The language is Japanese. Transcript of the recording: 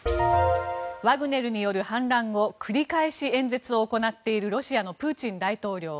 ワグネルによる反乱後繰り返し演説を行っているロシアのプーチン大統領。